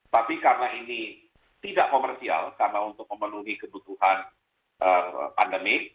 tapi karena ini tidak komersial karena untuk memenuhi kebutuhan pandemi